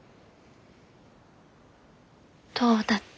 どうだった？